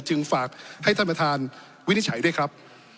จึงฝากให้ท่านประธานวินิจฉัยด้วยครับ